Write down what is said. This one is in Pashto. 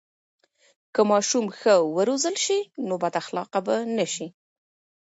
که ماشوم ښه و روزل سي، نو بد اخلاقه به نه سي.